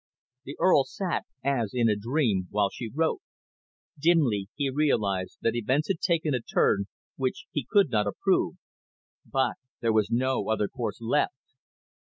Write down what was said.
The Earl sat as in a dream, while she wrote; dimly he realised that events had taken a turn which he could not approve. But there was no other course left.